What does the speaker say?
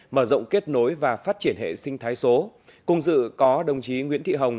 mở rộng kết nối và phát triển hệ sinh thái số cùng dự có đồng chí nguyễn thị hồng